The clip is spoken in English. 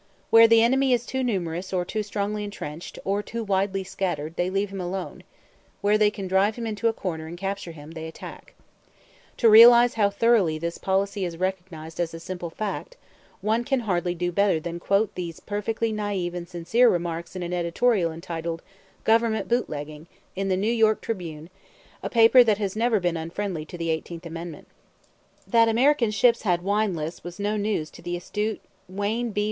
Where the enemy is too numerous, or too strongly entrenched, or too widely scattered, they leave him alone; where they can drive him into a corner and capture him, they attack. To realize how thoroughly this policy is recognized as a simple fact, one can hardly do better than quote these perfectly naive and sincere remarks in an editorial entitled "Government Bootlegging," in the New York Tribune, a paper that has never been unfriendly to the Eighteenth Amendment: That American ships had wine lists was no news to the astute Wayne B.